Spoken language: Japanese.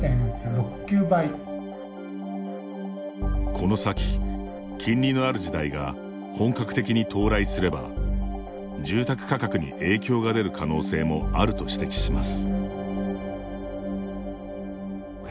この先、金利のある時代が本格的に到来すれば住宅価格に影響が出る可能性もあると指摘します。